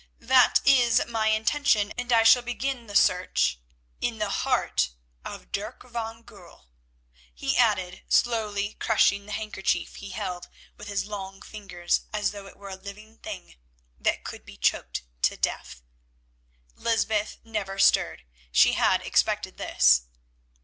"That is my intention, and I shall begin the search—in the heart of Dirk van Goorl," he added, slowly crushing the handkerchief he held with his long fingers as though it were a living thing that could be choked to death. Lysbeth never stirred, she had expected this.